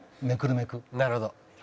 なるほど。